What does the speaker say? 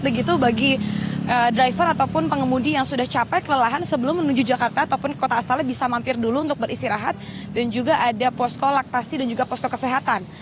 begitu bagi driver ataupun pengemudi yang sudah capek kelelahan sebelum menuju jakarta ataupun kota asalnya bisa mampir dulu untuk beristirahat dan juga ada posko laktasi dan juga posko kesehatan